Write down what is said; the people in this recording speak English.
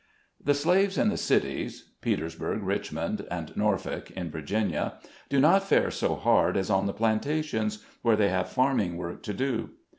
jHE slaves in the cities (Petersburg, Rich mond and Norfolk, in Virginia) do not fare so hard as on the plantations, where they have farming work to do.